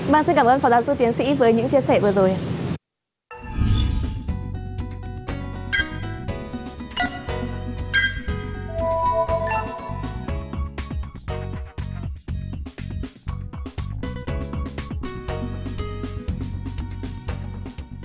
vâng xin cảm ơn phó giáo sư tiến sĩ với những chia sẻ vừa rồi